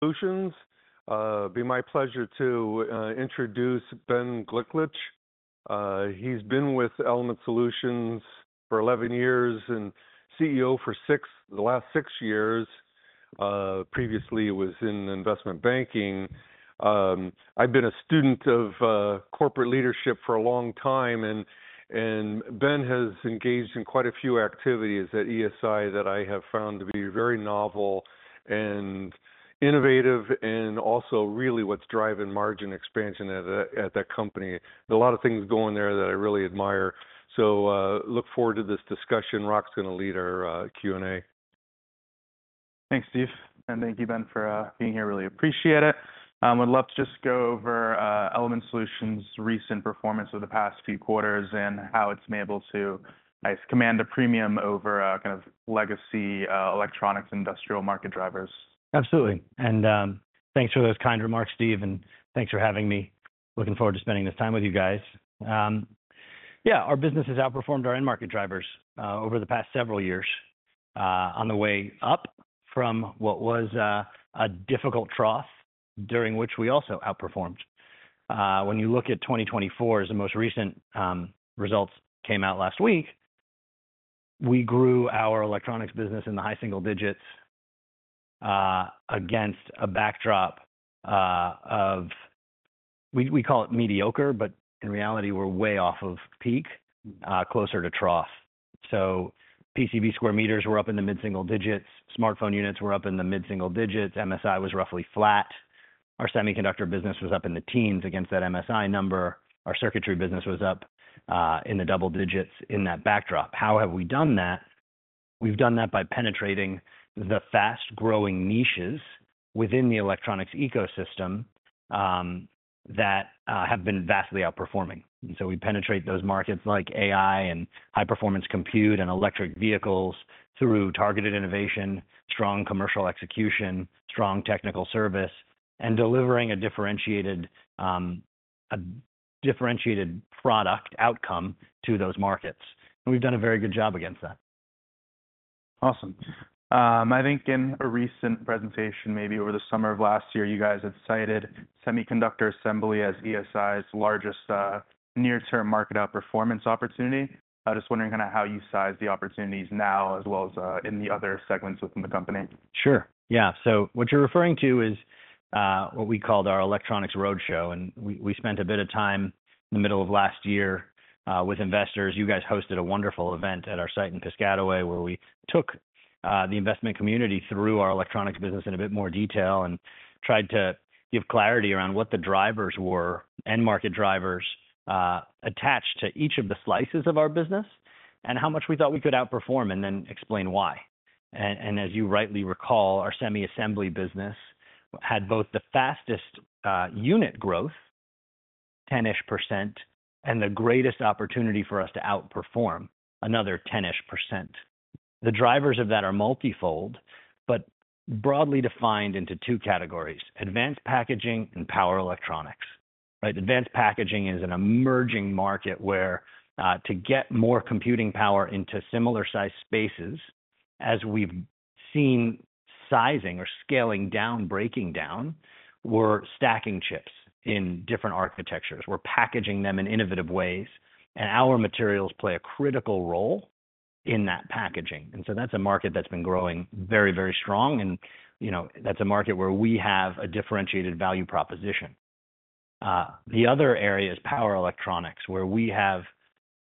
Solutions. Be my pleasure to introduce Ben Gliklich. He's been with Element Solutions for 11 years and CEO for six, the last six years. Previously was in investment banking. I've been a student of corporate leadership for a long time, and Ben has engaged in quite a few activities at ESI that I have found to be very novel and innovative and also really what's driving margin expansion at that company. A lot of things going there that I really admire, so look forward to this discussion, Rock's gonna lead our Q&A. Thanks, Steve, and thank you, Ben, for being here. Really appreciate it. I'd love to just go over Element Solutions' recent performance over the past few quarters and how it's been able to, I guess, command a premium over kind of legacy electronics industrial market drivers. Absolutely, and thanks for those kind remarks, Steve, and thanks for having me. Looking forward to spending this time with you guys. Yeah, our business has outperformed our end market drivers over the past several years, on the way up from what was a difficult trough during which we also outperformed. When you look at 2024, as the most recent results came out last week, we grew our electronics business in the high single digits against a backdrop of we call it mediocre, but in reality, we're way off of peak, closer to trough. So PCB square meters were up in the mid-single digits. Smartphone units were up in the mid-single digits. MSI was roughly flat. Our semiconductor business was up in the teens against that MSI number. Our circuitry business was up in the double digits in that backdrop. How have we done that? We've done that by penetrating the fast-growing niches within the electronics ecosystem, that have been vastly outperforming. And so we penetrate those markets like AI and high-performance compute and electric vehicles through targeted innovation, strong commercial execution, strong technical service, and delivering a differentiated product outcome to those markets. And we've done a very good job against that. Awesome. I think in a recent presentation, maybe over the summer of last year, you guys had cited semiconductor assembly as ESI's largest, near-term market outperformance opportunity. I was just wondering kind of how you size the opportunities now as well as, in the other segments within the company. Sure. Yeah. So what you're referring to is what we called our electronics roadshow. We spent a bit of time in the middle of last year with investors. You guys hosted a wonderful event at our site in Piscataway where we took the investment community through our electronics business in a bit more detail and tried to give clarity around what the drivers were, end market drivers, attached to each of the slices of our business and how much we thought we could outperform and then explain why. And as you rightly recall, our semi-assembly business had both the fastest unit growth, 10-ish%, and the greatest opportunity for us to outperform another 10-ish%. The drivers of that are multifold, but broadly defined into two categories: advanced packaging and power electronics, right? Advanced packaging is an emerging market where, to get more computing power into similar-sized spaces, as we've seen sizing or scaling down, breaking down, we're stacking chips in different architectures. We're packaging them in innovative ways, and our materials play a critical role in that packaging. And so that's a market that's been growing very, very strong. And, you know, that's a market where we have a differentiated value proposition. The other area is power electronics, where we have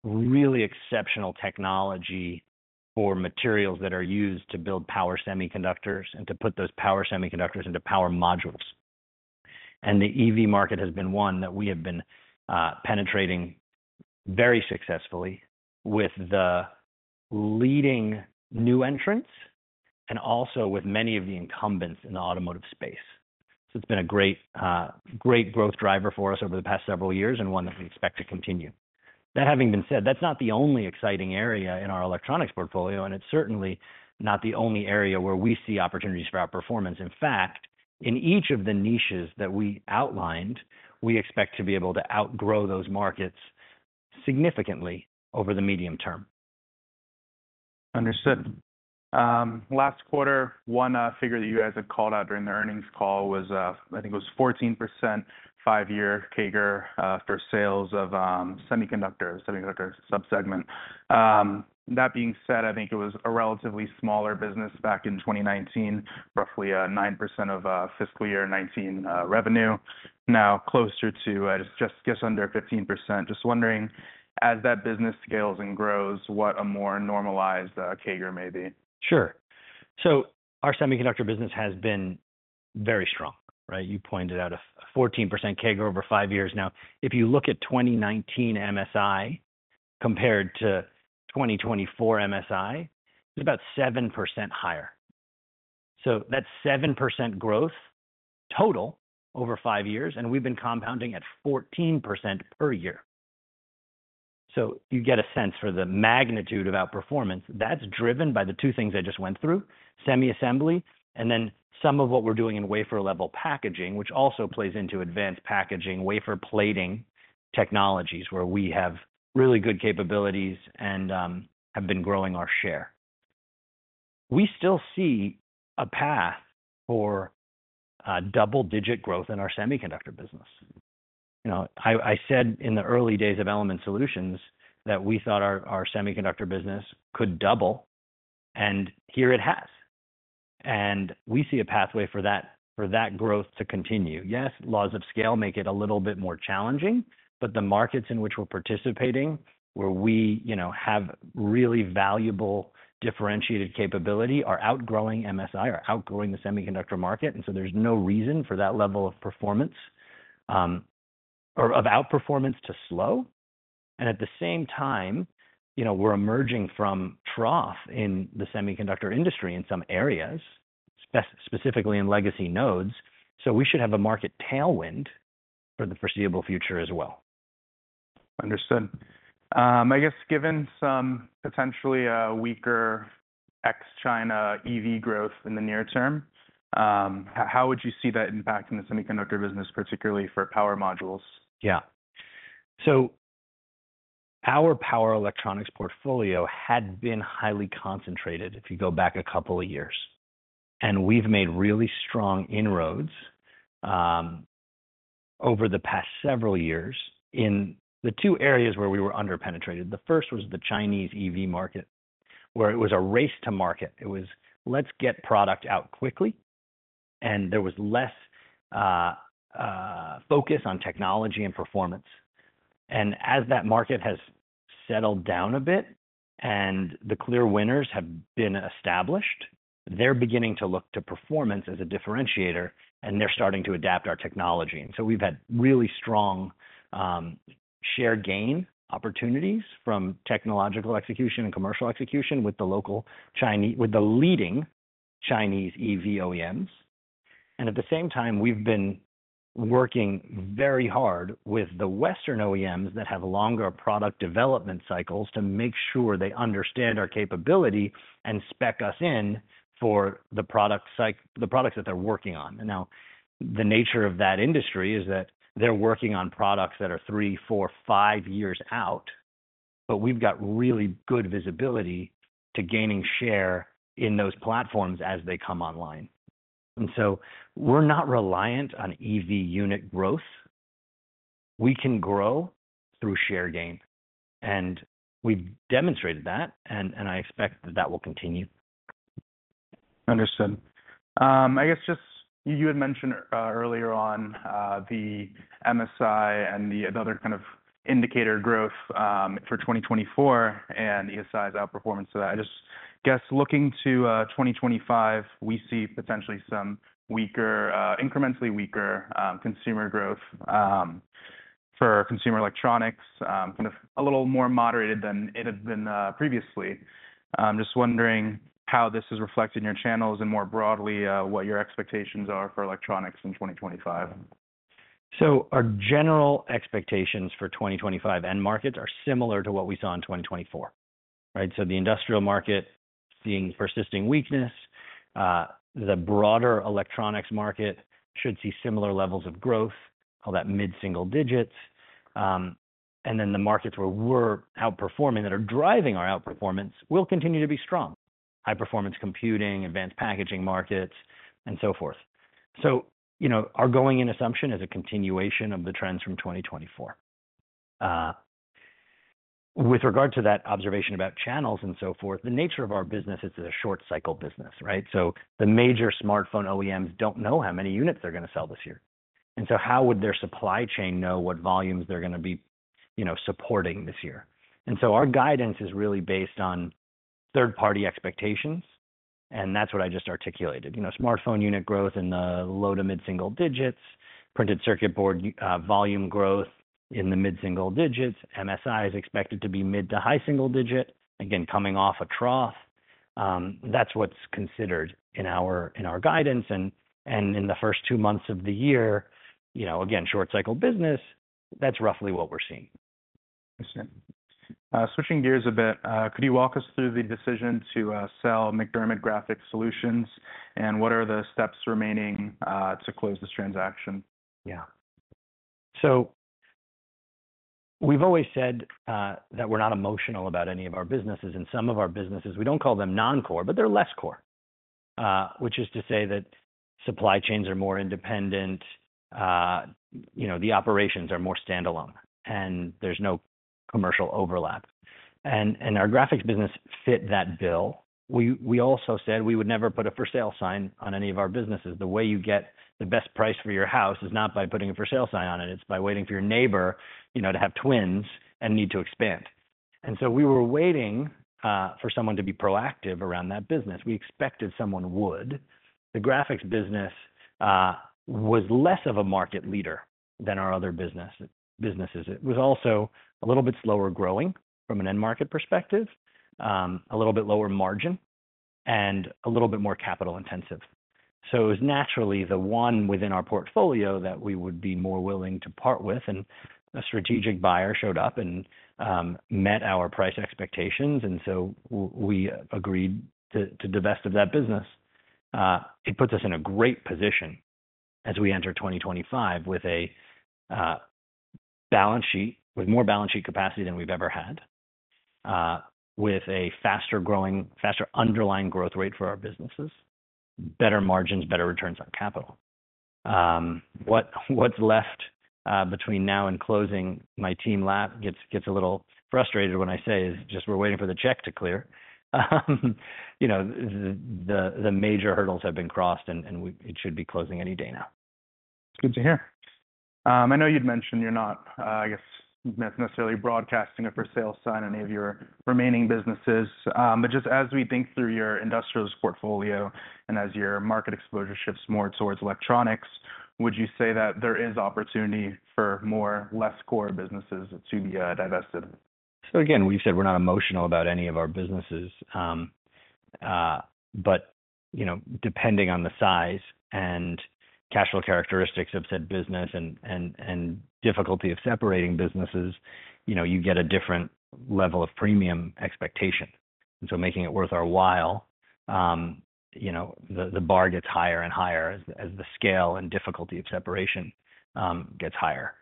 really exceptional technology for materials that are used to build power semiconductors and to put those power semiconductors into power modules. And the EV market has been one that we have been penetrating very successfully with the leading new entrants and also with many of the incumbents in the automotive space. So it's been a great, great growth driver for us over the past several years and one that we expect to continue. That having been said, that's not the only exciting area in our electronics portfolio, and it's certainly not the only area where we see opportunities for outperformance. In fact, in each of the niches that we outlined, we expect to be able to outgrow those markets significantly over the medium term. Understood. Last quarter, one figure that you guys had called out during the earnings call was, I think it was 14% five-year CAGR for sales of semiconductors, semiconductor subsegment. That being said, I think it was a relatively smaller business back in 2019, roughly 9% of fiscal year 2019 revenue. Now closer to, just, just guess under 15%. Just wondering, as that business scales and grows, what a more normalized CAGR may be. Sure. So our semiconductor business has been very strong, right? You pointed out a 14% CAGR over five years. Now, if you look at 2019 MSI compared to 2024 MSI, it's about 7% higher. So that's 7% growth total over five years, and we've been compounding at 14% per year. So you get a sense for the magnitude of outperformance that's driven by the two things I just went through: semi-assembly and then some of what we're doing in wafer-level packaging, which also plays into advanced packaging, wafer plating technologies, where we have really good capabilities and have been growing our share. We still see a path for double-digit growth in our semiconductor business. You know, I, I said in the early days of Element Solutions that we thought our, our semiconductor business could double, and here it has. And we see a pathway for that, for that growth to continue. Yes, laws of scale make it a little bit more challenging, but the markets in which we're participating, where we, you know, have really valuable differentiated capability, are outgrowing MSI, are outgrowing the semiconductor market. And so there's no reason for that level of performance, or of outperformance to slow. And at the same time, you know, we're emerging from trough in the semiconductor industry in some areas, specifically in legacy nodes. So we should have a market tailwind for the foreseeable future as well. Understood. I guess given some potentially weaker ex-China EV growth in the near term, how would you see that impacting the semiconductor business, particularly for power modules? Yeah, so our power electronics portfolio had been highly concentrated if you go back a couple of years, and we've made really strong inroads over the past several years in the two areas where we were underpenetrated. The first was the Chinese EV market, where it was a race to market. It was, let's get product out quickly. And there was less focus on technology and performance. And as that market has settled down a bit and the clear winners have been established, they're beginning to look to performance as a differentiator, and they're starting to adopt our technology. And so we've had really strong shared gain opportunities from technological execution and commercial execution with the local Chinese with the leading Chinese EV OEMs. And at the same time, we've been working very hard with the Western OEMs that have longer product development cycles to make sure they understand our capability and spec us in for the product cycle, the products that they're working on. And now the nature of that industry is that they're working on products that are three, four, five years out, but we've got really good visibility to gaining share in those platforms as they come online. And so we're not reliant on EV unit growth. We can grow through share gain, and we've demonstrated that, and I expect that that will continue. Understood. I guess just you had mentioned, earlier on, the MSI and the other kind of indicator growth for 2024 and ESI's outperformance. So I just guess looking to 2025, we see potentially some weaker, incrementally weaker, consumer growth for consumer electronics, kind of a little more moderated than it had been previously. Just wondering how this is reflected in your channels and more broadly, what your expectations are for electronics in 2025. So our general expectations for 2025 end markets are similar to what we saw in 2024, right? So the industrial market seeing persisting weakness, the broader electronics market should see similar levels of growth, call that mid-single digits, and then the markets where we're outperforming that are driving our outperformance will continue to be strong: high-performance computing, advanced packaging markets, and so forth, so you know, our going in assumption is a continuation of the trends from 2024. With regard to that observation about channels and so forth, the nature of our business, it's a short-cycle business, right, so the major smartphone OEMs don't know how many units they're gonna sell this year, and so how would their supply chain know what volumes they're gonna be, you know, supporting this year, and so our guidance is really based on third-party expectations, and that's what I just articulated. You know, smartphone unit growth in the low- to mid-single digits, printed circuit board volume growth in the mid-single digits. MSI is expected to be mid- to high-single-digit, again, coming off a trough. That's what's considered in our guidance. And in the first two months of the year, you know, again, short-cycle business, that's roughly what we're seeing. Understood. Switching gears a bit, could you walk us through the decision to sell MacDermid Graphics Solutions and what are the steps remaining to close this transaction? Yeah, so we've always said that we're not emotional about any of our businesses, and some of our businesses we don't call them non-core, but they're less core, which is to say that supply chains are more independent, you know, the operations are more standalone, and there's no commercial overlap, and our graphics business fit that bill. We also said we would never put a for-sale sign on any of our businesses. The way you get the best price for your house is not by putting a for-sale sign on it. It's by waiting for your neighbor, you know, to have twins and need to expand, and so we were waiting for someone to be proactive around that business. We expected someone would. The graphics business was less of a market leader than our other businesses. It was also a little bit slower growing from an end market perspective, a little bit lower margin, and a little bit more capital intensive. So it was naturally the one within our portfolio that we would be more willing to part with. And a strategic buyer showed up and met our price expectations, and so we agreed to divest of that business. It puts us in a great position as we enter 2025 with a balance sheet with more balance sheet capacity than we've ever had, with a faster growing, faster underlying growth rate for our businesses, better margins, better returns on capital. What's left between now and closing is just we're waiting for the check to clear. My team gets a little frustrated when I say it's just that. You know, the major hurdles have been crossed and we, it should be closing any day now. It's good to hear. I know you'd mentioned you're not, I guess not necessarily broadcasting a for-sale sign on any of your remaining businesses. But just as we think through your industrial portfolio and as your market exposure shifts more towards electronics, would you say that there is opportunity for more less core businesses to be divested? So again, we've said we're not emotional about any of our businesses, but you know, depending on the size and cash flow characteristics of said business and difficulty of separating businesses, you know, you get a different level of premium expectation. And so making it worth our while, you know, the bar gets higher and higher as the scale and difficulty of separation gets higher.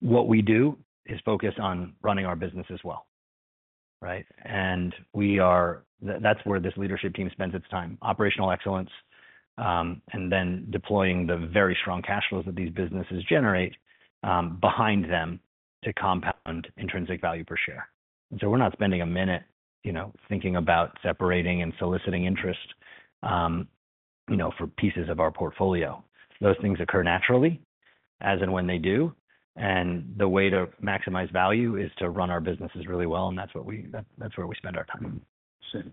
What we do is focus on running our business as well, right? And we are. That's where this leadership team spends its time: operational excellence, and then deploying the very strong cash flows that these businesses generate behind them to compound intrinsic value per share. And so we're not spending a minute, you know, thinking about separating and soliciting interest, you know, for pieces of our portfolio. Those things occur naturally as and when they do. The way to maximize value is to run our businesses really well. That's where we spend our time. Sure. I guess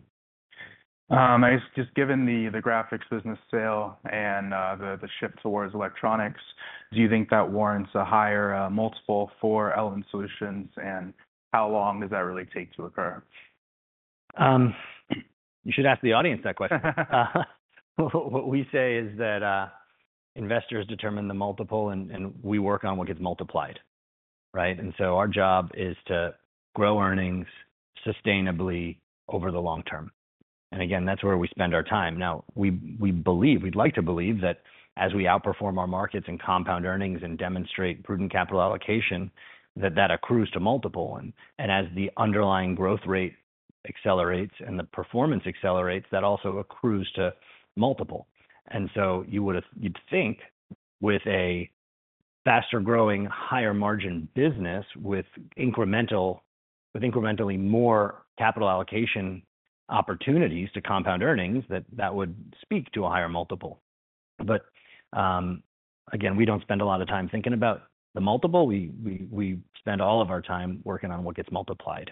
just given the graphics business sale and the shift towards electronics, do you think that warrants a higher multiple for Element Solutions? And how long does that really take to occur? You should ask the audience that question. What we say is that investors determine the multiple and we work on what gets multiplied, right? And so our job is to grow earnings sustainably over the long term. And again, that's where we spend our time. Now, we believe we'd like to believe that as we outperform our markets and compound earnings and demonstrate prudent capital allocation, that that accrues to multiple. And as the underlying growth rate accelerates and the performance accelerates, that also accrues to multiple. And so you would have, you'd think with a faster growing, higher margin business with incrementally more capital allocation opportunities to compound earnings, that that would speak to a higher multiple. But again, we don't spend a lot of time thinking about the multiple. We spend all of our time working on what gets multiplied.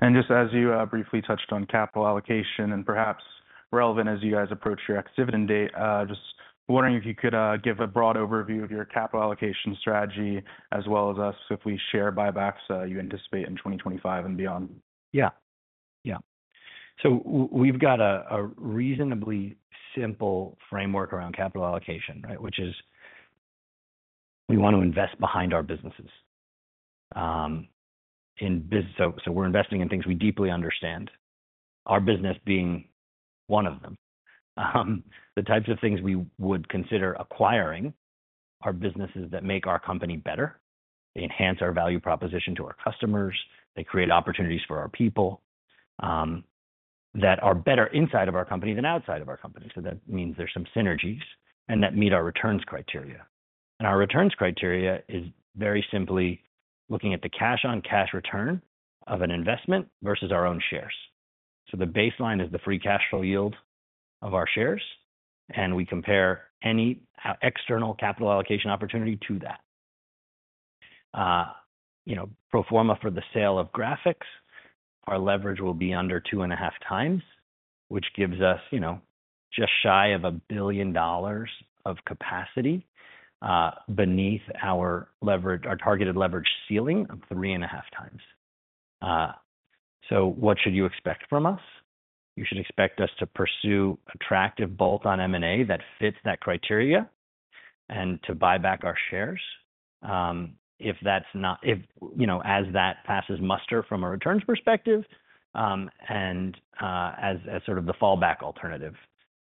And just as you briefly touched on capital allocation and perhaps relevant as you guys approach your ex-dividend date, just wondering if you could give a broad overview of your capital allocation strategy as well as share buybacks you anticipate in 2025 and beyond. Yeah. So we've got a reasonably simple framework around capital allocation, right? Which is we want to invest behind our businesses, in business. So we're investing in things we deeply understand, our business being one of them. The types of things we would consider acquiring are businesses that make our company better. They enhance our value proposition to our customers. They create opportunities for our people, that are better inside of our company than outside of our company. So that means there's some synergies and that meet our returns criteria. And our returns criteria is very simply looking at the cash on cash return of an investment versus our own shares. So the baseline is the free cash flow yield of our shares. And we compare any external capital allocation opportunity to that. You know, pro forma for the sale of graphics, our leverage will be under two and a half times, which gives us, you know, just shy of $1 billion of capacity, beneath our leverage, our targeted leverage ceiling of three and a half times. So what should you expect from us? You should expect us to pursue attractive bolt-on M&A that fits that criteria and to buy back our shares. If that's not, if, you know, as that passes muster from a returns perspective, and, as, as sort of the fallback alternative,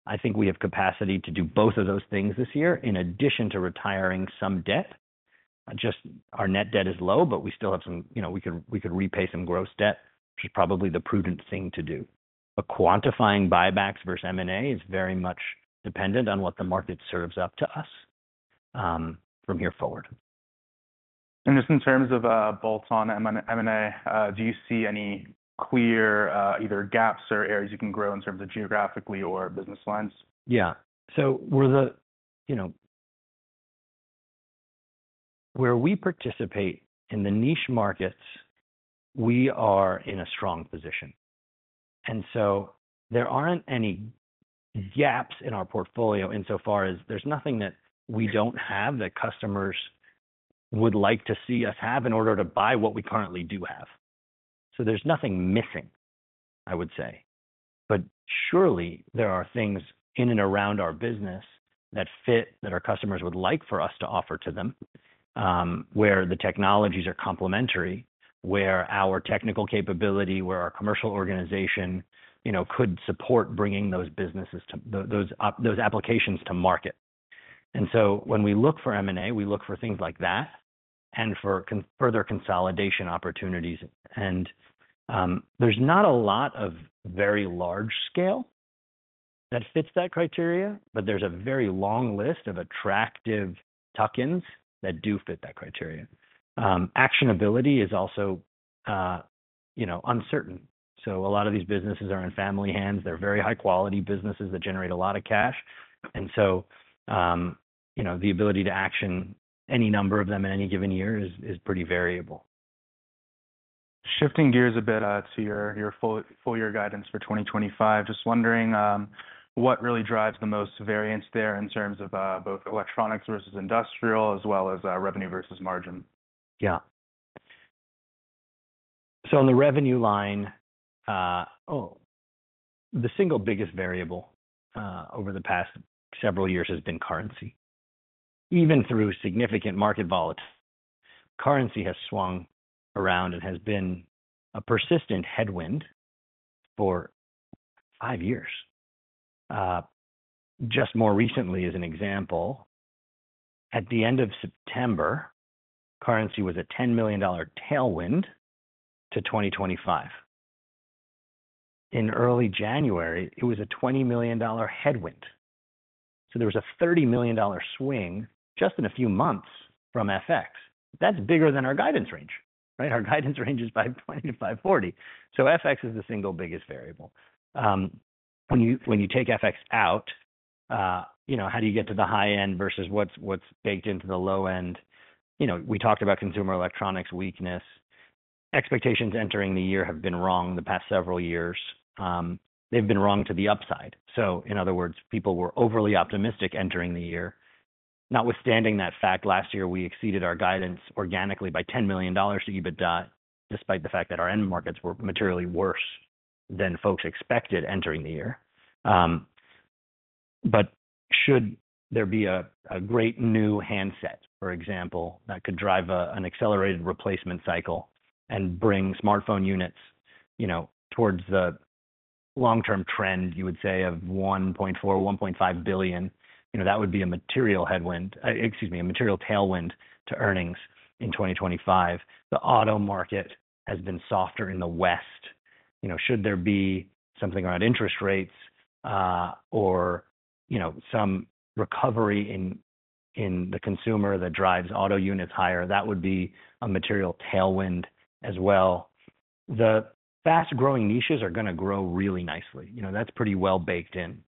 I think we have capacity to do both of those things this year in addition to retiring some debt. Just our net debt is low, but we still have some, you know, we could, we could repay some gross debt, which is probably the prudent thing to do. But quantifying buybacks versus M&A is very much dependent on what the market serves up to us, from here forward. And just in terms of bolt-on M&A, do you see any clear either gaps or areas you can grow in terms of geographically or business lines? Yeah, so we're the, you know, where we participate in the niche markets, we are in a strong position, and so there aren't any gaps in our portfolio insofar as there's nothing that we don't have that customers would like to see us have in order to buy what we currently do have, so there's nothing missing, I would say, but surely there are things in and around our business that fit that our customers would like for us to offer to them, where the technologies are complementary, where our technical capability, where our commercial organization, you know, could support bringing those businesses to those, those applications to market, and so when we look for M&A, we look for things like that and for further consolidation opportunities. There's not a lot of very large scale that fits that criteria, but there's a very long list of attractive tuck-ins that do fit that criteria. Actionability is also, you know, uncertain, so a lot of these businesses are in family hands. They're very high-quality businesses that generate a lot of cash, and so, you know, the ability to action any number of them in any given year is pretty variable. Shifting gears a bit, to your full year guidance for 2025, just wondering, what really drives the most variance there in terms of, both electronics versus industrial as well as, revenue versus margin? Yeah. So on the revenue line, oh, the single biggest variable, over the past several years has been currency. Even through significant market volatility, currency has swung around and has been a persistent headwind for five years. Just more recently, as an example, at the end of September, currency was a $10 million tailwind to 2025. In early January, it was a $20 million headwind. So there was a $30 million swing just in a few months from FX. That's bigger than our guidance range, right? Our guidance range is 520-540. So FX is the single biggest variable. When you take FX out, you know, how do you get to the high end versus what's baked into the low end? You know, we talked about consumer electronics weakness. Expectations entering the year have been wrong the past several years. They've been wrong to the upside. So in other words, people were overly optimistic entering the year. Notwithstanding that fact, last year we exceeded our guidance organically by $10 million to EBITDA, despite the fact that our end markets were materially worse than folks expected entering the year. But should there be a great new handset, for example, that could drive an accelerated replacement cycle and bring smartphone units, you know, towards the long-term trend, you would say, of $1.4 billion-$1.5 billion, you know, that would be a material headwind, excuse me, a material tailwind to earnings in 2025. The auto market has been softer in the West. You know, should there be something around interest rates, or, you know, some recovery in, in the consumer that drives auto units higher, that would be a material tailwind as well. The fast-growing niches are going to grow really nicely. You know, that's pretty well baked in.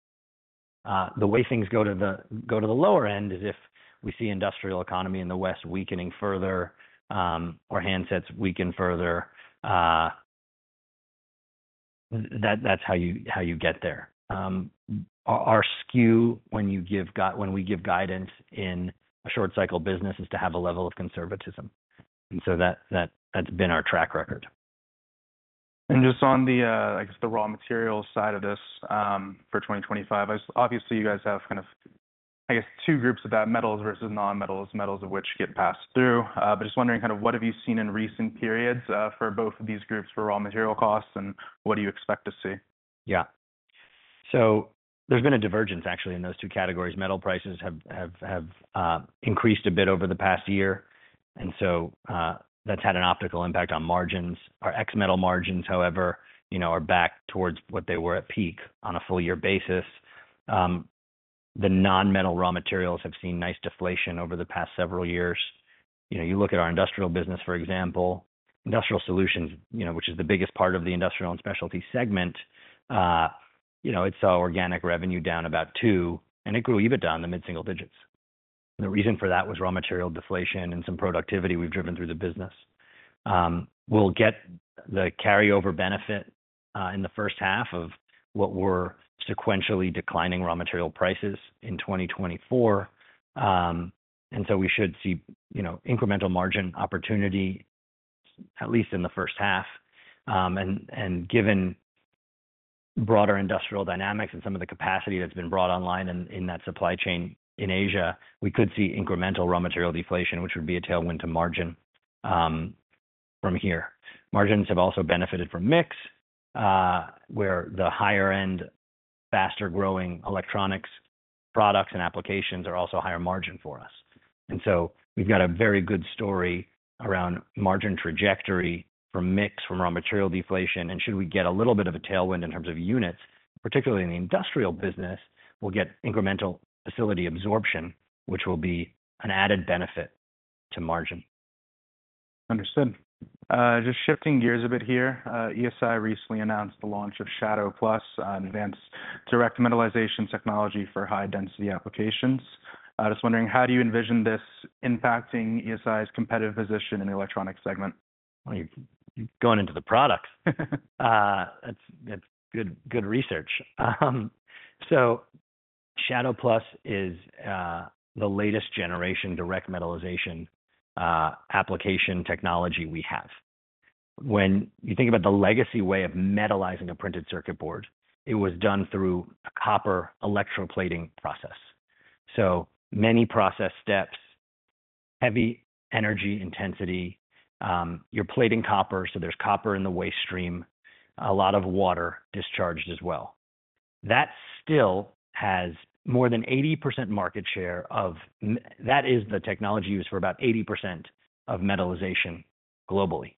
The way things go to the lower end is if we see industrial economy in the West weakening further, or handsets weaken further. That's how you get there. Our skew, when you give guidance in a short-cycle business, is to have a level of conservatism. So that's been our track record. Just on the, I guess the raw materials side of this, for 2025, I obviously you guys have kind of, I guess, two groups of that, metals versus non-metals, metals of which get passed through. But just wondering kind of what have you seen in recent periods, for both of these groups for raw material costs and what do you expect to see? Yeah. So there's been a divergence actually in those two categories. Metal prices have increased a bit over the past year. And so, that's had an overall impact on margins. Our ex-metal margins, however, you know, are back towards what they were at peak on a full year basis. The non-metal raw materials have seen nice deflation over the past several years. You know, you look at our industrial business, for example, Industrial Solutions, you know, which is the biggest part of the Industrial and specialty segment, you know, it saw organic revenue down about 2%, and it grew EBITDA in the mid-single digits. The reason for that was raw material deflation and some productivity we've driven through the business. We'll get the carryover benefit in the first half of what were sequentially declining raw material prices in 2024. And so we should see, you know, incremental margin opportunity, at least in the first half. And given broader industrial dynamics and some of the capacity that's been brought online in that supply chain in Asia, we could see incremental raw material deflation, which would be a tailwind to margin, from here. Margins have also benefited from mix, where the higher-end, faster-growing electronics products and applications are also higher margin for us. And so we've got a very good story around margin trajectory from mix, from raw material deflation. And should we get a little bit of a tailwind in terms of units, particularly in the industrial business, we'll get incremental facility absorption, which will be an added benefit to margin. Understood. Just shifting gears a bit here. ESI recently announced the launch of Shadow Plus, an advanced direct metallization technology for high-density applications. Just wondering, how do you envision this impacting ESI's competitive position in the electronics segment? Well, you're going into the products. That's good research. Shadow Plus is the latest generation direct metallization application technology we have. When you think about the legacy way of metallizing a printed circuit board, it was done through a copper electroplating process. So many process steps, heavy energy intensity, you're plating copper, so there's copper in the waste stream, a lot of water discharged as well. That still has more than 80% market share, that is the technology used for about 80% of metallization globally.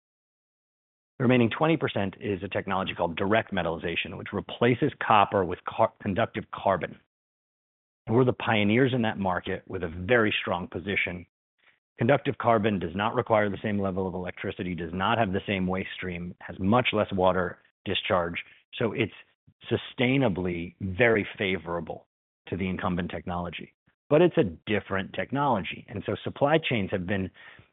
The remaining 20% is a technology called direct metallization, which replaces copper with conductive carbon. We're the pioneers in that market with a very strong position. Conductive carbon does not require the same level of electricity, does not have the same waste stream, has much less water discharge. So it's sustainably very favorable to the incumbent technology, but it's a different technology. And so supply chains have been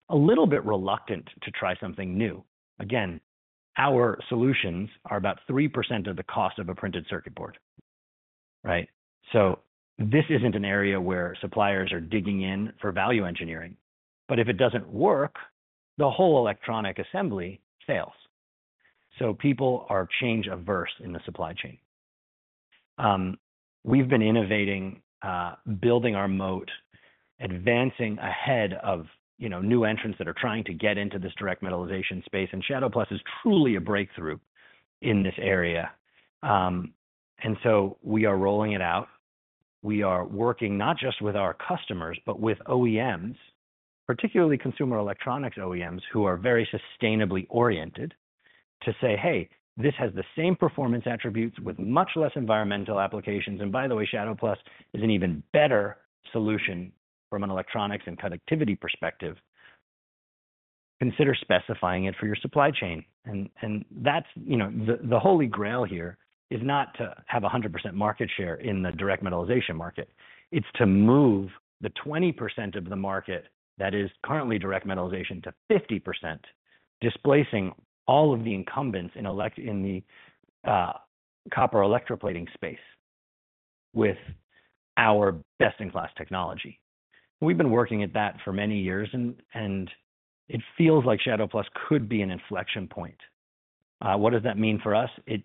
a little bit reluctant to try something new. Again, our solutions are about 3% of the cost of a printed circuit board, right? So this isn't an area where suppliers are digging in for value engineering, but if it doesn't work, the whole electronic assembly fails. So people are change averse in the supply chain. We've been innovating, building our moat, advancing ahead of, you know, new entrants that are trying to get into this direct metallization space, and Shadow Plus is truly a breakthrough in this area. And so we are rolling it out. We are working not just with our customers, but with OEMs, particularly consumer electronics OEMs who are very sustainably oriented to say, "Hey, this has the same performance attributes with much less environmental applications." And by the way, Shadow Plus is an even better solution from an electronics and connectivity perspective. Consider specifying it for your supply chain. And that's, you know, the holy grail here is not to have 100% market share in the direct metallization market. It's to move the 20% of the market that is currently direct metallization to 50%, displacing all of the incumbents in the copper electroplating space with our best-in-class technology. We've been working at that for many years, and it feels like Shadow Plus could be an inflection point. What does that mean for us? It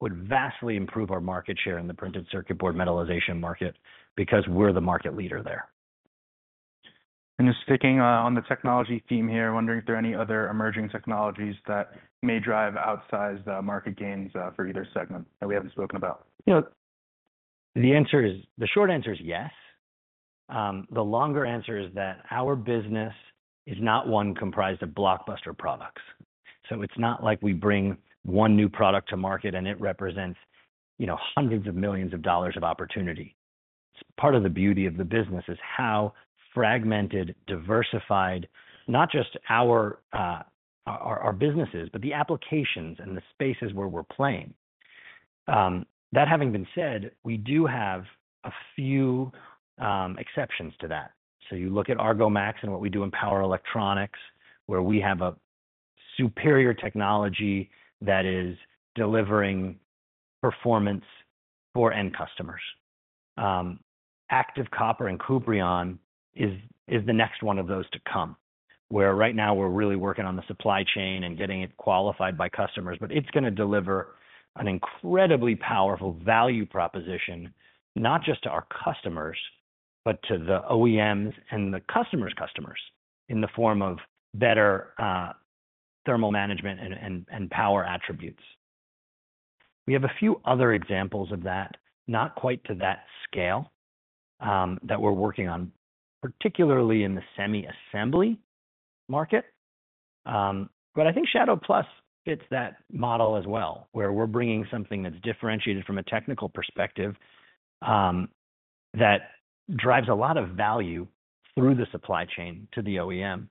would vastly improve our market share in the printed circuit board metallization market because we're the market leader there. And just sticking on the technology theme here, wondering if there are any other emerging technologies that may drive outsized market gains for either segment that we haven't spoken about? You know, the answer is, the short answer is yes, the longer answer is that our business is not one comprised of blockbuster products. So it's not like we bring one new product to market and it represents, you know, hundreds of millions of dollars of opportunity. It's part of the beauty of the business is how fragmented, diversified, not just our businesses, but the applications and the spaces where we're playing. That having been said, we do have a few exceptions to that. So you look at Argomax and what we do in power electronics, where we have a superior technology that is delivering performance for end customers. ActiveCopper and Kuprion is the next one of those to come, where right now we're really working on the supply chain and getting it qualified by customers, but it's going to deliver an incredibly powerful value proposition, not just to our customers, but to the OEMs and the customers' customers in the form of better thermal management and power attributes. We have a few other examples of that, not quite to that scale, that we're working on, particularly in the semi-assembly market. But I think Shadow Plus fits that model as well, where we're bringing something that's differentiated from a technical perspective, that drives a lot of value through the supply chain to the OEM.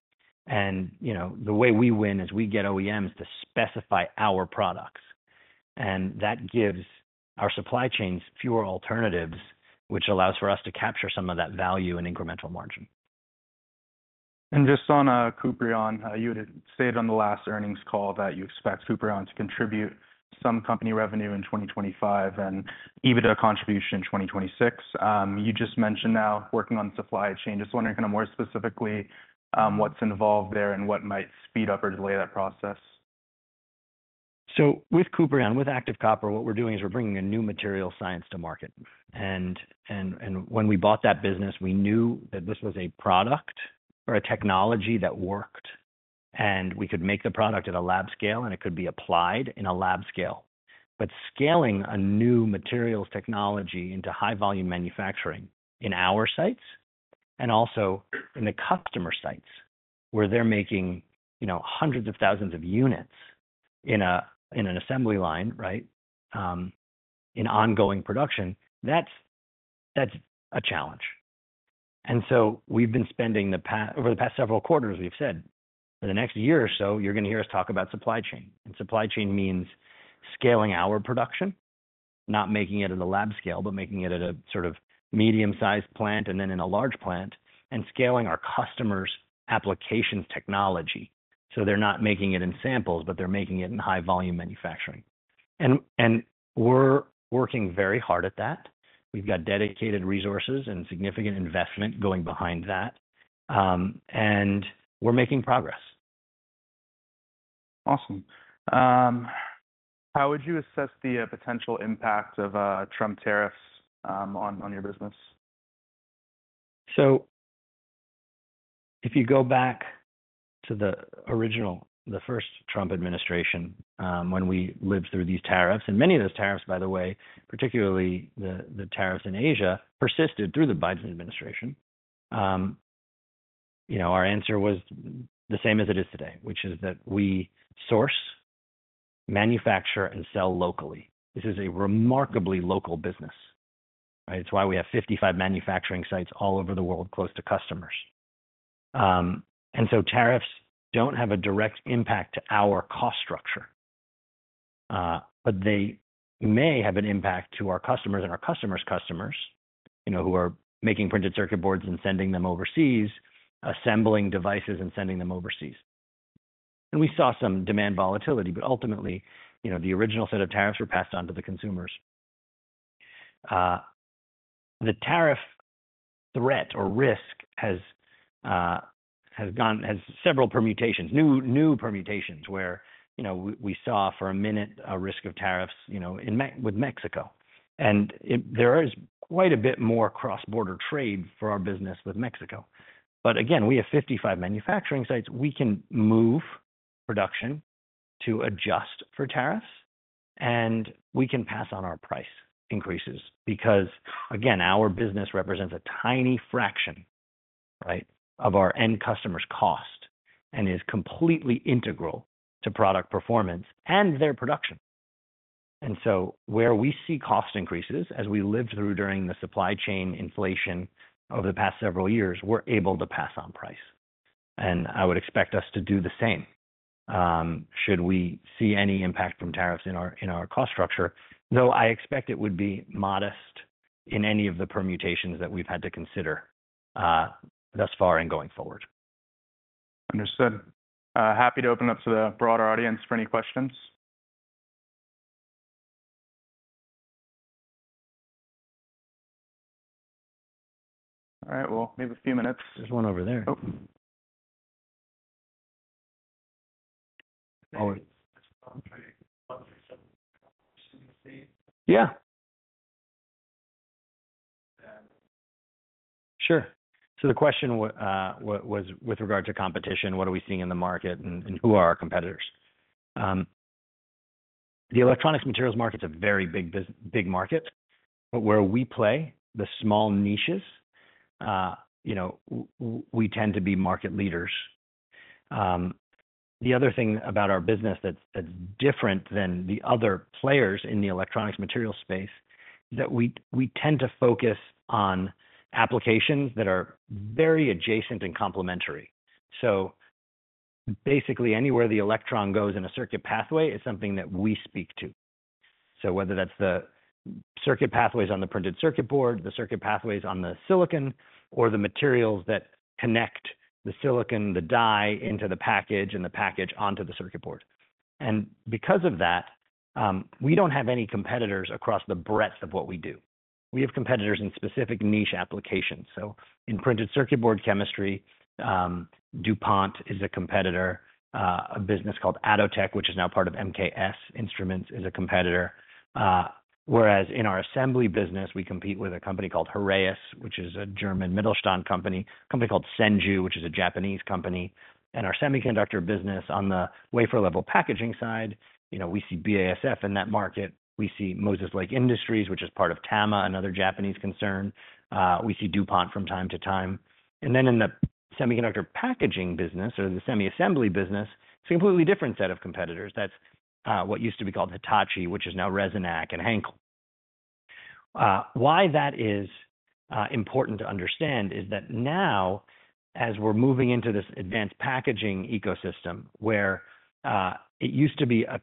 You know, the way we win is we get OEMs to specify our products, and that gives our supply chains fewer alternatives, which allows for us to capture some of that value and incremental margin. Just on Kuprion, you had stated on the last earnings call that you expect Kuprion to contribute some company revenue in 2025 and EBITDA contribution in 2026. You just mentioned now working on supply chain. Just wondering kind of more specifically, what's involved there and what might speed up or delay that process? So with Kuprion, with ActiveCopper, what we're doing is we're bringing a new material science to market. And when we bought that business, we knew that this was a product or a technology that worked, and we could make the product at a lab scale, and it could be applied in a lab scale. But scaling a new materials technology into high-volume manufacturing in our sites and also in the customer sites where they're making, you know, hundreds of thousands of units in an assembly line, right? In ongoing production, that's a challenge. And so over the past several quarters, we've said for the next year or so, you're going to hear us talk about supply chain. Supply chain means scaling our production, not making it at a lab scale, but making it at a sort of medium-sized plant and then in a large plant and scaling our customers' application technology. So they're not making it in samples, but they're making it in high-volume manufacturing. And we're working very hard at that. We've got dedicated resources and significant investment going behind that. And we're making progress. Awesome. How would you assess the potential impact of Trump tariffs on your business? So if you go back to the original, the first Trump administration, when we lived through these tariffs, and many of those tariffs, by the way, particularly the tariffs in Asia, persisted through the Biden administration, you know, our answer was the same as it is today, which is that we source, manufacture, and sell locally. This is a remarkably local business, right? It's why we have 55 manufacturing sites all over the world close to customers, and so tariffs don't have a direct impact to our cost structure, but they may have an impact to our customers and our customers' customers, you know, who are making printed circuit boards and sending them overseas, assembling devices and sending them overseas, and we saw some demand volatility, but ultimately, you know, the original set of tariffs were passed on to the consumers. The tariff threat or risk has several new permutations where, you know, we saw for a minute a risk of tariffs, you know, in Mex, with Mexico. And there is quite a bit more cross-border trade for our business with Mexico. But again, we have 55 manufacturing sites. We can move production to adjust for tariffs, and we can pass on our price increases because, again, our business represents a tiny fraction, right, of our end customer's cost and is completely integral to product performance and their production. And so where we see cost increases as we lived through during the supply chain inflation over the past several years, we're able to pass on price. And I would expect us to do the same. Should we see any impact from tariffs in our cost structure, though I expect it would be modest in any of the permutations that we've had to consider, thus far and going forward. Understood. Happy to open up to the broader audience for any questions. All right. Well, we have a few minutes. There's one over there. Oh. Yeah. Sure. So the question was with regard to competition, what are we seeing in the market and who are our competitors? The electronics materials market's a very big business, big market, but where we play, the small niches, you know, we tend to be market leaders. The other thing about our business that's different than the other players in the electronics materials space is that we tend to focus on applications that are very adjacent and complementary. So basically anywhere the electron goes in a circuit pathway is something that we speak to. So whether that's the circuit pathways on the printed circuit board, the circuit pathways on the silicon, or the materials that connect the silicon, the die into the package and the package onto the circuit board. And because of that, we don't have any competitors across the breadth of what we do. We have competitors in specific niche applications. So in printed circuit board chemistry, DuPont is a competitor, a business called Atotech, which is now part of MKS Instruments is a competitor. Whereas in our assembly business, we compete with a company called Heraeus, which is a German Mittelstand company, a company called Senju, which is a Japanese company. And our semiconductor business on the wafer-level packaging side, you know, we see BASF in that market. We see Moses Lake Industries, which is part of Tama, another Japanese concern. We see DuPont from time to time. And then in the semiconductor packaging business or the semi-assembly business, it's a completely different set of competitors. That's what used to be called Hitachi, which is now Resonac and Henkel. Why that is important to understand is that now, as we're moving into this advanced packaging ecosystem where it used to be a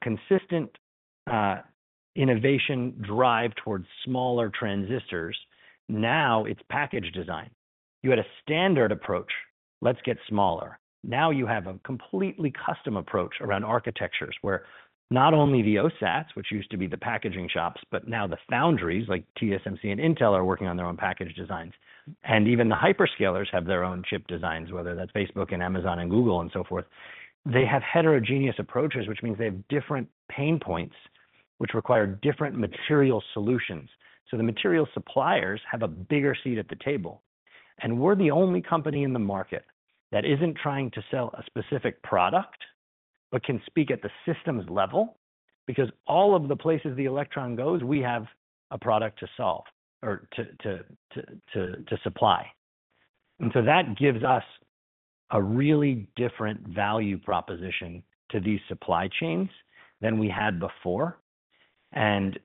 consistent innovation drive towards smaller transistors, now it's package design. You had a standard approach, let's get smaller. Now you have a completely custom approach around architectures where not only the OSATs, which used to be the packaging shops, but now the foundries like TSMC and Intel are working on their own package designs. And even the hyperscalers have their own chip designs, whether that's Facebook and Amazon and Google and so forth. They have heterogeneous approaches, which means they have different pain points, which require different material solutions. So the material suppliers have a bigger seat at the table. And we're the only company in the market that isn't trying to sell a specific product, but can speak at the systems level because all of the places the electron goes, we have a product to solve or to supply. And so that gives us a really different value proposition to these supply chains than we had before and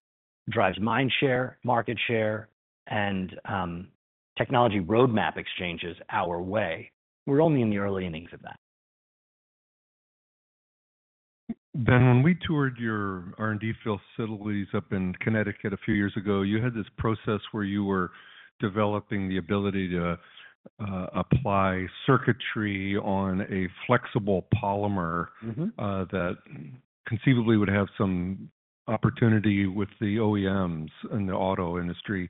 drives mind share, market share, and technology roadmap exchanges our way. We're only in the early innings of that. Ben, when we toured your R&D facilities up in Connecticut a few years ago, you had this process where you were developing the ability to apply circuitry on a flexible polymer, that conceivably would have some opportunity with the OEMs and the auto industry.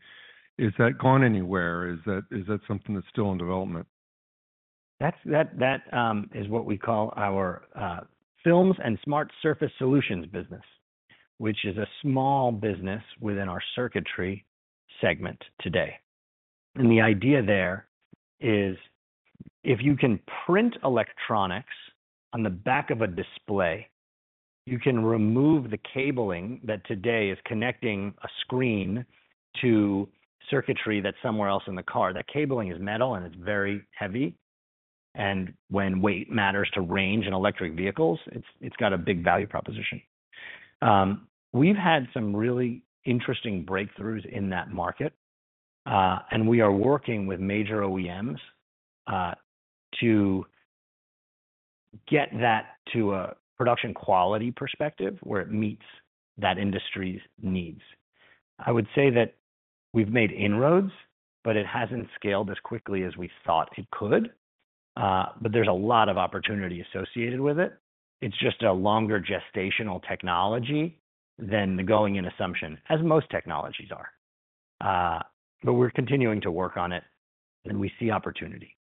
Is that gone anywhere? Is that, is that something that's still in development? That is what we call our Films and Smart Surface Solutions business, which is a small business within our circuitry segment today. And the idea there is if you can print electronics on the back of a display, you can remove the cabling that today is connecting a screen to circuitry that's somewhere else in the car. That cabling is metal and it's very heavy. And when weight matters to range and electric vehicles, it's got a big value proposition. We've had some really interesting breakthroughs in that market, and we are working with major OEMs to get that to a production quality perspective where it meets that industry's needs. I would say that we've made inroads, but it hasn't scaled as quickly as we thought it could. But there's a lot of opportunity associated with it. It's just a longer gestational technology than the going-in assumption, as most technologies are. But we're continuing to work on it and we see opportunity.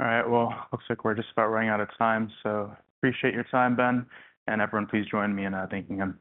All right, well, looks like we're just about running out of time, so appreciate your time, Ben, and everyone, please join me in thanking him.